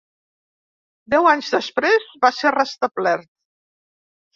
Deu anys després va ser restablert.